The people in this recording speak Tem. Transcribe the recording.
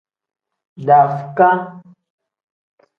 Dafukaa.